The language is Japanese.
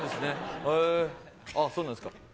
へぇ、そうなんですか。